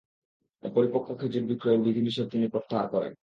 অপরিপক্ক খেজুর বিক্রয়ের বিধি-নিষেধ তিনি প্রত্যাহার করেন।